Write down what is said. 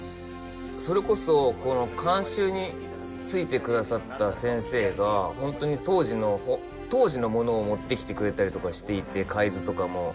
それこそこの監修についてくださった先生がホントに当時の物を持ってきてくれたりしていて海図とかも。